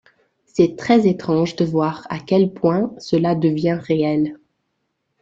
C’est très étrange de voir à quel point cela devient réel.